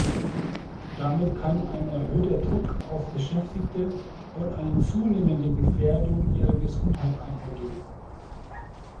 Damit kann ein erhöhter Druck auf Beschäftigte und eine zunehmende Gefährdung ihrer Gesundheit einhergehen.